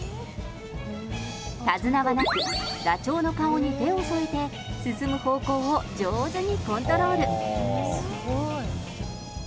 手綱はなく、ダチョウの顔に手を添えて、進む方向を上手にコントロール。